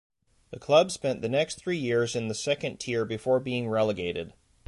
The club spent the next three years in the second tier before being relegated.